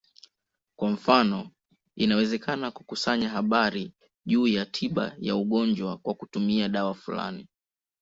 Kwa mfano, inawezekana kukusanya habari juu ya tiba ya ugonjwa kwa kutumia dawa fulani.